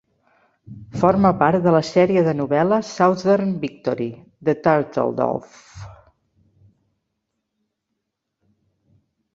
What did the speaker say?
Forma part de la sèrie de novel·les "Southern Victory" de Turtledove.